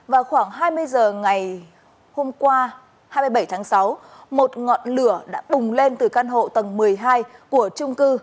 vào khoảng hai mươi h ngày hôm qua hai mươi bảy tháng sáu một ngọn lửa đã bùng lên từ căn hộ tầng một mươi hai của trung cư